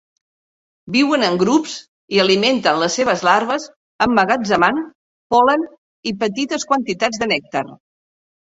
Viuen en grups i alimenten les seves larves emmagatzemant pol·len i petites quantitats de nèctar.